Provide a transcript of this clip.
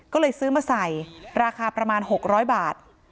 ก็เลยซื้อมาใส่ราคาประมาณ๖๐๐บาท